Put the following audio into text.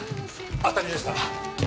当たりでした。